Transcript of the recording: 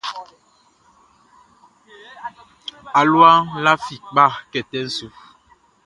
Alua lafi kpa kɛtɛ su.